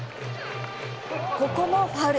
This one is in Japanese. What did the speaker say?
ここもファウル。